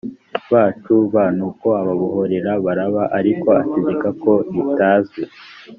bacu b nuko ababohorera baraba ariko ategeka ko ritazwi